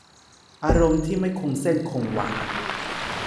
อารมณ์ที่ไม่คงเส้นคงวา